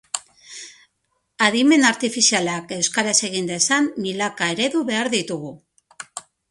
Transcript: Adimen artifizialak euskaraz egin dezan milaka eredu behar ditugu.